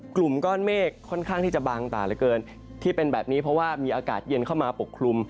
กลุ่มก้อนเมฆค่อนข้างที่จะบางตาเหลือเกินที่เป็นแบบนี้เพราะว่ามีอากาศเย็นเข้ามาปกคลุม